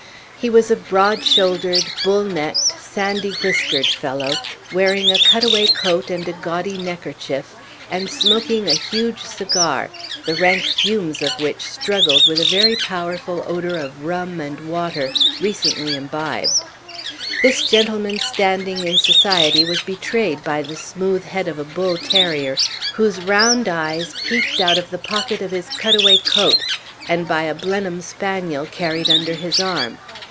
He was a broad shouldered, bull necked, sandy whiskered fellow, wearing a cut away coat and a gaudy neckerchief, and smoking a huge cigar, the rank fumes of which struggled with a very powerful odor of rum and water recently imbibed. This gentleman's standing in society was betrayed by the smooth head of a bull terrier, whose round eyes peeped out of the pocket of his cut away coat, and by a Blenheim spaniel carried under his arm.